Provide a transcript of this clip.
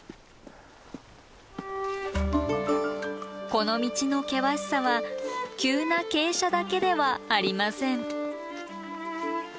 この道の険しさは急な傾斜だけではありません。